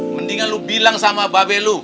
mendingan lu bilang sama babelu